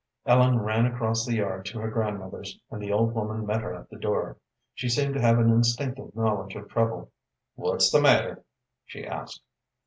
Ellen ran across the yard to her grandmother's, and the old woman met her at the door. She seemed to have an instinctive knowledge of trouble. "What's the matter?" she asked.